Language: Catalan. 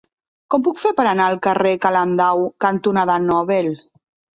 Com ho puc fer per anar al carrer Calendau cantonada Nobel?